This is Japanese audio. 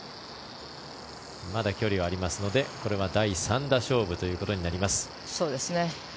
まだ距離はありますのでこれは第３打勝負となります。